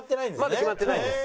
まだ決まってないんです。